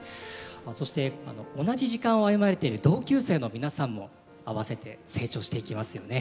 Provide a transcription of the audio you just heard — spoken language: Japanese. そして同じ時間を歩まれてる同級生の皆さんもあわせて成長していきますよね。